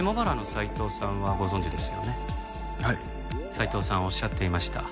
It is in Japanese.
斉藤さんおっしゃっていました。